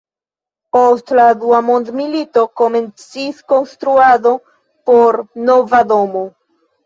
Post la Dua Mondmilito komencis konstruado por nova domo.